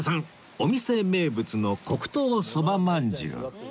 お店名物の黒糖そばまんじゅう